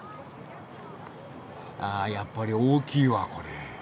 あやっぱり大きいわこれ。